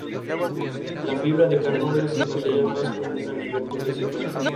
Por todos menos uno: el malvado y temido tigre Shere Khan.